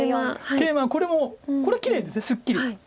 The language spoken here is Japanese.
ケイマこれもこれきれいですすっきり。